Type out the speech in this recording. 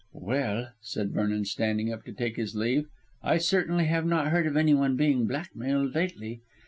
"Well," said Vernon, standing up to take his leave. "I certainly have not heard of anyone being blackmailed lately.